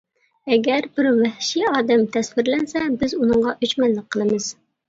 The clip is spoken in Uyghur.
ئەگەر بىر ۋەھشىي ئادەم تەسۋىرلەنسە، بىز ئۇنىڭغا ئۆچمەنلىك قىلىمىز.